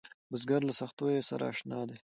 بزګر له سختیو سره اشنا دی